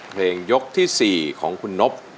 เพลงยกที่๔ของคุณนบ